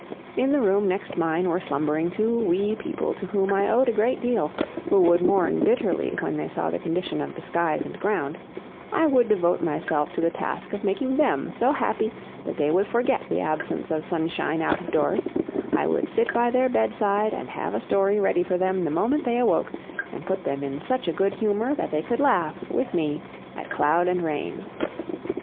In the room next mine were slumbering two wee people to whom I owed a great deal, who would mourn bitterly when they saw the condition of the skies and ground I would devote myself to the task of making THEM so happy that they would forget the absence of sunshine out of doors I would sit by their bedside and have a story ready for them the moment they awoke, and put them in such a good humor that they could laugh, with me, at cloud and rain.